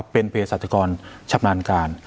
เป็นเพศศาสตรกรชับนานการ